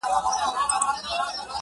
یوه کیسه نه لرم، ګراني د هیچا زوی نه یم~